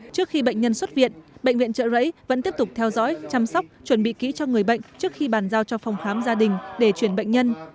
trước khi bệnh nhân xuất viện bệnh viện trợ rẫy vẫn tiếp tục theo dõi chăm sóc chuẩn bị kỹ cho người bệnh trước khi bàn giao cho phòng khám gia đình để chuyển bệnh nhân